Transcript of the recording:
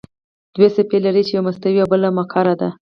دوه صفحې لري چې یوه مستوي او بله مقعره ده.